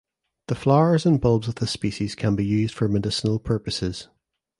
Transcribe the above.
The flowers and bulbs of this species can be used for medicinal purposes.